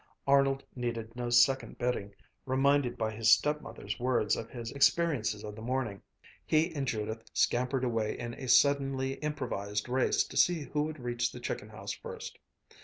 Arnold needed no second bidding, reminded by his stepmother's words of his experiences of the morning. He and Judith scampered away in a suddenly improvised race to see who would reach the chicken house first.